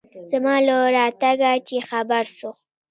زما له راتگه چې خبر سو.